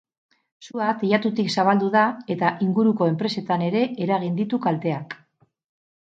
Sua teilatutik zabaldu da eta inguruko enpresetan ere eragin ditu kalteak.